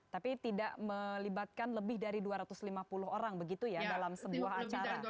tapi tidak melibatkan lebih dari dua ratus lima puluh orang begitu ya dalam sebuah acara